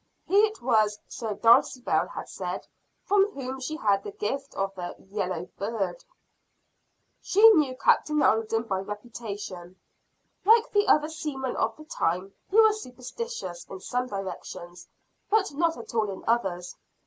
He it was, so Dulcibel had said, from whom she had the gift of the "yellow bird." She knew Captain Alden by reputation. Like the other seamen of the time he was superstitious in some directions, but not at all in others.